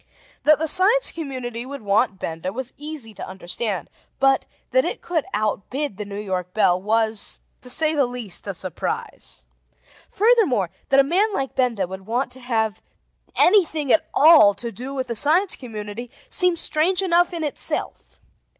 That the Science Community would want Benda was easy to understand; but, that it could outbid the New York Bell, was, to say the least, a surprise. Furthermore, that a man like Benda would want to have anything at all to do with the Science Community seemed strange enough in itself.